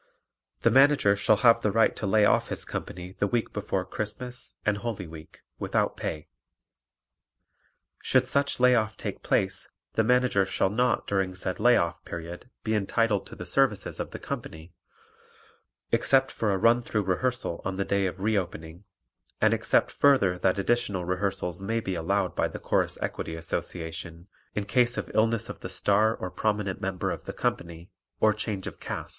The Manager shall have the right to lay off his company the week before Christmas and Holy Week without pay. Should such lay off take place the Manager shall not during said lay off period be entitled to the services of the company except for a run through rehearsal on the day of re opening, and except further that additional rehearsals may be allowed by the Chorus Equity Association in case of illness of the star or prominent member of the company or change of cast.